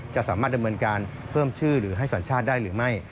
จะสามารถดำเนินการเพิ่มชื่อหรือให้สัญชาติได้หรือไม่